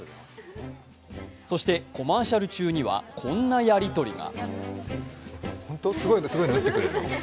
そしてコマーシャル中にはこんなやりとりが。